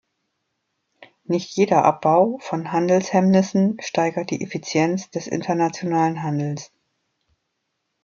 Nicht jeder Abbau von Handelshemmnissen steigert die Effizienz des internationalen Handels.